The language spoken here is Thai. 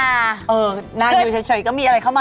สวัสดีครับ